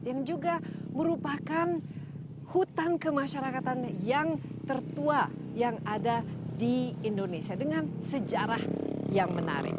yang juga merupakan hutan kemasyarakatan yang tertua yang ada di indonesia dengan sejarah yang menarik